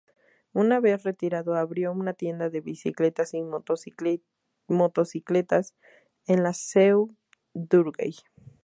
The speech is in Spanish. Una vez retirado abrió una tienda de bicicletas y motocicletas en la Seu d'Urgell